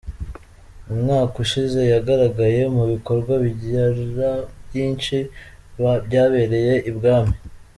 Mu mwaka ushize yagaragaye mu bikorwa bigerabyinshi byabereye i Bwami.